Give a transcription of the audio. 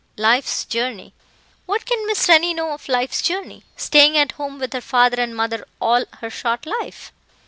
'Life's Journey.' What can Miss Rennie know of life's journey staying at home with her father and mother all her short life?"